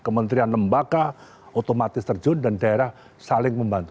kementerian lembaga otomatis terjun dan daerah saling membantu